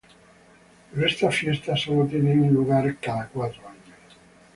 Pero esta fiesta solo tiene lugar cada cuatro años.